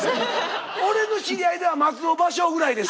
俺の知り合いでは松尾芭蕉ぐらいですよ。